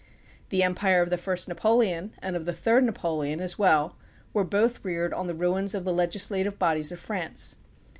The empire of the first Napoleon and of the third Napoleon as well were both reared on the ruins of the legislative bodies of France.